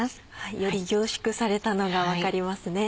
より凝縮されたのが分かりますね。